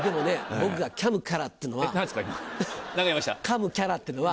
かむキャラっていうのは。